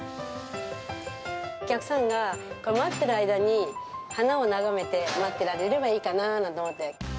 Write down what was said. お客さんが待っている間に、花を眺めて待ってられればいいかななんて思って。